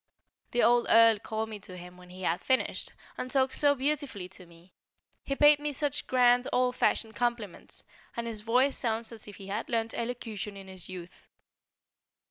The old Earl called me to him when he had finished, and talked so beautifully to me; he paid me some such grand old fashioned compliments, and his voice sounds as if he had learnt elocution in his youth.